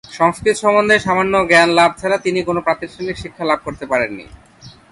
সংস্কৃত সম্পর্কে সামান্য জ্ঞান লাভ ছাড়া তিনি কোন প্রাতিষ্ঠানিক শিক্ষা লাভ করতে পারেননি।